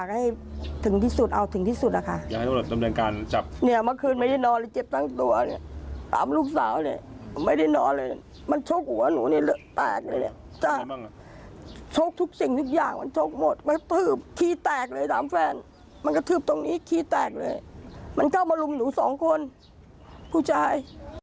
หลักฐานหนูสองคนผู้ใจ